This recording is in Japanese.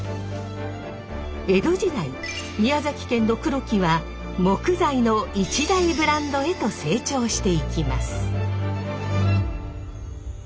江戸時代宮崎県の黒木は木材の一大ブランドへと成長していきます。